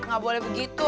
gak boleh begitu